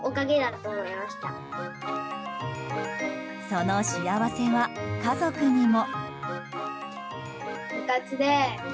その幸せは、家族にも。